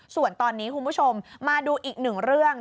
ส่วนตอนนี้คุณผู้ชมมาดูอีกหนึ่งเรื่อง